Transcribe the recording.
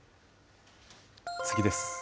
次です。